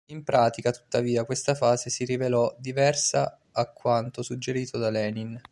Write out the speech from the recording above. In pratica, tuttavia, questa fase si rivelò diversa a quanto suggerito da Lenin.